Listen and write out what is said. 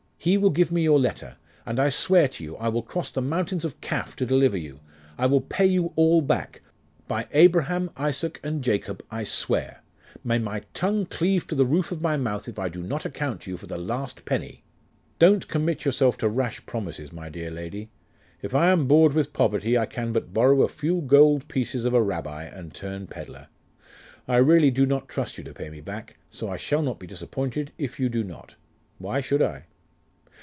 He will give me your letter, and I swear to you, I will cross the mountains of Kaf, to deliver you! I will pay you all back. By Abraham, Isaac, and Jacob I swear! May my tongue cleave to the roof of my mouth, if I do not account to you for the last penny!' 'Don't commit yourself to rash promises, my dear lady. If I am bored with poverty, I can but borrow a few gold pieces of a rabbi, and turn pedler. I really do not trust you to pay me back, so I shall not be disappointed if you do not. Why should I?